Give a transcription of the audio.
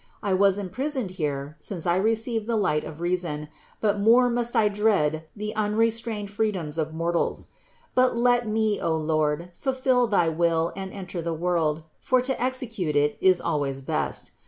I was imprisoned here, since I received the light of reason; but more must I dread the unrestrained freedom of mortals. But let me, O Lord, fulfill thy will and enter the world; for to exe cute it is always best.